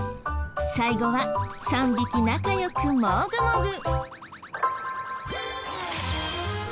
最後は３匹仲良くもぐもぐ。